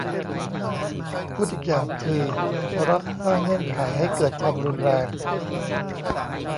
พูดอีกอย่างคือ รัฐสร้างเงื่อนไขให้เกิดความรุนแรง